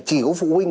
chỉ có phụ huynh